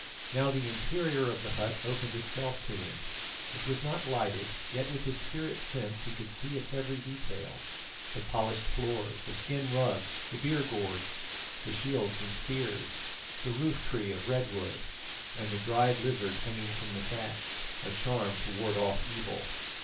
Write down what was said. Now the interior of the hut opened itself to him. It was not lighted, yet with his spirit sense he could see its every detail: the polished floor, the skin rugs, the beer gourds, the shields and spears, the roof tree of red wood, and the dried lizard hanging from the thatch, a charm to ward off evil.